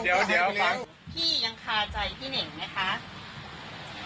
พี่ยังขาใจพี่เหน่งไหมคะ